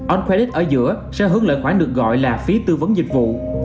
on credit ở giữa sẽ hướng lợi khoản được gọi là phí tư vấn dịch vụ